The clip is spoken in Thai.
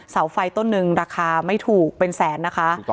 เสาไฟต้นหนึ่งราคาไม่ถูกเป็นแสนนะคะ